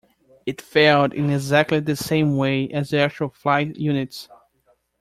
It failed in exactly the same way as the actual flight units.